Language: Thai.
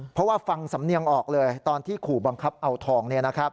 เพราะว่าฟังสำเนียงออกเลยตอนที่ขู่บังคับเอาทอง